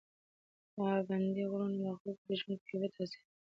پابندي غرونه د خلکو د ژوند په کیفیت تاثیر کوي.